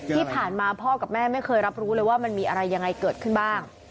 ที่ผ่านมาพ่อกับแม่ไม่เคยรับรู้เลยว่ามันมีอะไรยังไงเกิดขึ้นบ้าง